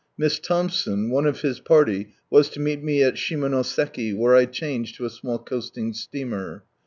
Miss Thompson, one of his party, was to meet me at Shimonoseki, where I change to a small coasting steamer.